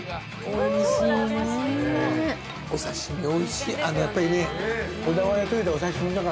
お刺し身おいしい。